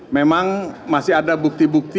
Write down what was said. memang masih ada bukti bukti